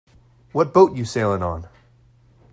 What boat you sailing on?